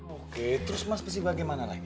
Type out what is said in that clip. oke terus mas visi bagaimana lagi